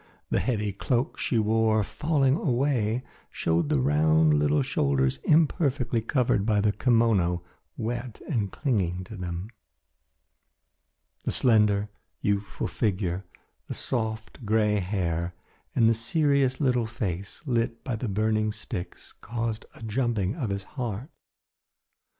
The heavy cloak she wore, falling away, showed the round little shoulders imperfectly covered by the kimono, wet and clinging to them. The slender, youthful figure, the soft grey hair and the serious little face, lit by the burning sticks caused a jumping of his heart.